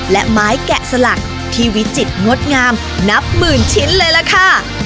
และไม้แกะสลักที่วิจิตรงดงามนับหมื่นชิ้นเลยล่ะค่ะ